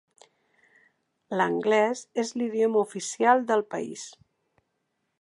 L'anglès és l'idioma oficial del país.